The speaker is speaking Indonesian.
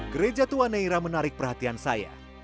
gereja tua neira menarik perhatian saya